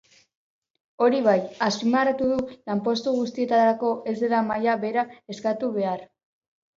Hori bai, azpimarratu du lanpostu guztietarako ez dela maila bera eskatu behar.